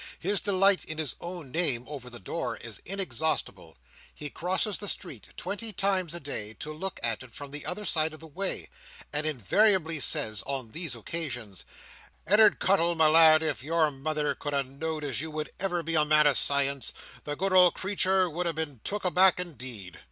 His delight in his own name over the door, is inexhaustible. He crosses the street, twenty times a day, to look at it from the other side of the way; and invariably says, on these occasions, "Ed'ard Cuttle, my lad, if your mother could ha' know'd as you would ever be a man o' science, the good old creetur would ha' been took aback in deed!"